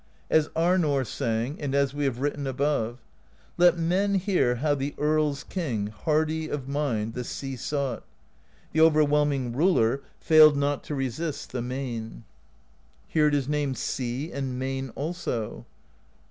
As Arnorr sang, and as we have written above: Let men hear how the Earls' King, Hardy of mind, the Sea sought; The overwhelming Ruler Failed not to resist the Main.* Here it is named Sea, and Main also.